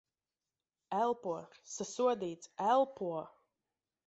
Elpo. Sasodīts. Elpo!